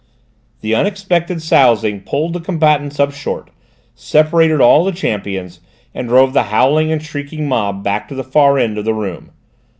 The unexpected sousing pulled the combatants up short, separated all the champions, and drove the howling and shrieking mob back to the far end of the room.